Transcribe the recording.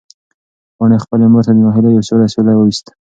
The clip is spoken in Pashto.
پاڼې خپلې مور ته د ناهیلۍ یو سوړ اسوېلی وویست.